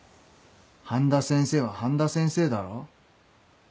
半田先生は半田先生だろ？